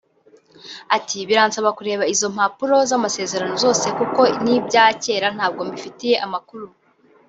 Ati “Biransaba kureba izo mpapuro z’amasezerano zose kuko ni ibya kera ntabwo mbifitiye amakuru